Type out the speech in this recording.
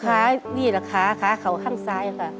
ค้าอีหลักแผ่นค่าเค้าข้างซ้ายค่ะ